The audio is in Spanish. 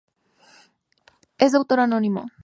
Es de autor anónimo.